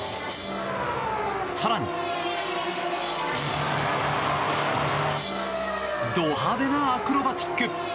更にド派手なアクロバティック！